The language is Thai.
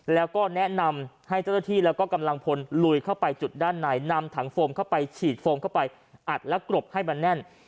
แล้วก็แนะนำให้เจ้าหน้าที่แล้วก็กำลังพลลุยเข้าไปจุดด้านในนำถังโฟมเข้าไปฉีดโฟมเข้าไปอัดและกรบให้มันแน่น